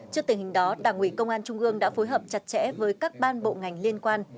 trước tình hình đó đảng ủy công an trung ương đã phối hợp chặt chẽ với các ban bộ ngành liên quan